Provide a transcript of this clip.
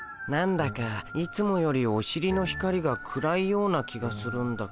何だかいつもよりおしりの光が暗いような気がするんだけど。